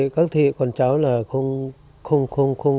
các thị con cháu là không muốn